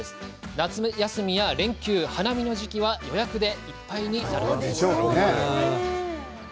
夏休みや連休、花見の時期は予約でいっぱいになる程。